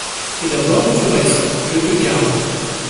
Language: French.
Et, d’abord, tu restes, je te garde.